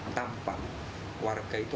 tampak warga itu